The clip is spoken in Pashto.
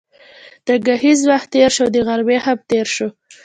د ګهیځ وخت تېر شو او د غرمې هم تېر شو.